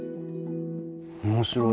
面白い。